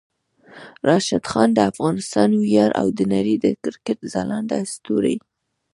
راشد خان د افغانستان ویاړ او د نړۍ د کرکټ ځلانده ستوری